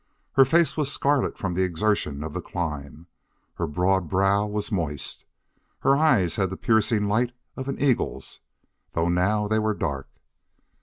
Her face was scarlet from the exertion of the climb, and her broad brow was moist. Her eyes had the piercing light of an eagle's, though now they were dark.